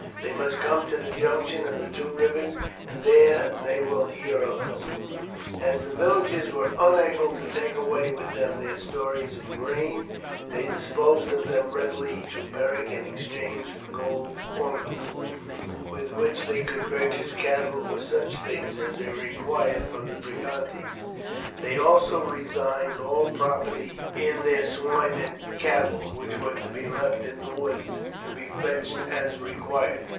They must come to the junction of the two rivers, and there they will hear of us." As the villagers were unable to take away with them their stores of grain, they disposed of them readily to Beric in exchange for gold ornaments, with which they could purchase cattle or such things as they required from the Brigantes; they also resigned all property in their swine and cattle, which were to be left in the woods, to be fetched as required.